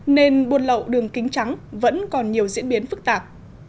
nên buôn lậu đường kính trắng vẫn còn nhiều diễn biến phức tạp